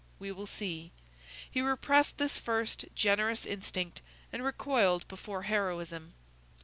We will see!" He repressed this first, generous instinct, and recoiled before heroism.